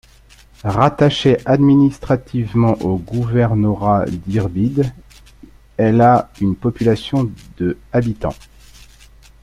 Rattachée administrativement au gouvernorat d'Irbid, elle a une population de habitants.